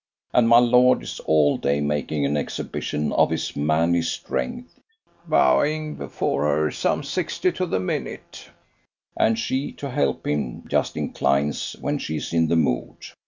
And my lord is all day making an exhibition of his manly strength, bowing before her some sixty to the minute; and she, to help him, just inclines when she's in the mood.